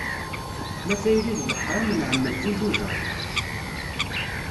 Ma tayri d leḥram nɛemmed tijujar.